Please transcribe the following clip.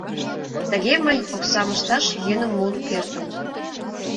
Тыге мый оксам ышташ йӧным муын кертым.